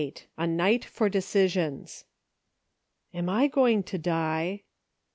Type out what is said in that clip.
A NIGHT FOR DECISIONS. AM I going to die ?